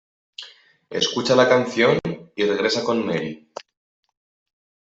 Escucha la canción y regresa con Mary.